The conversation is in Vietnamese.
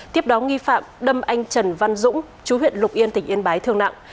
tiếp đó nghi phạm đâm anh trần văn dũng chú huyện lục yên tỉnh yên bái thương nặng